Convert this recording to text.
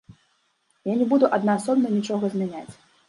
Я не буду аднаасобна нічога змяняць.